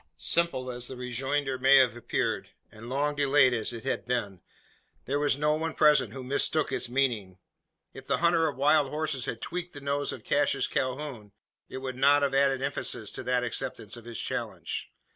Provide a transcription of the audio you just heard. Simple as the rejoinder may have appeared, and long delayed as it had been, there was no one present who mistook its meaning. If the hunter of wild horses had tweaked the nose of Cassius Calhoun, it would not have added emphasis to that acceptance of his challenge.